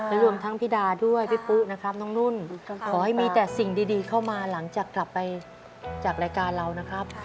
และรวมทั้งพี่ดาด้วยพี่ปุ๊นะครับน้องนุ่นขอให้มีแต่สิ่งดีเข้ามาหลังจากกลับไปจากรายการเรานะครับ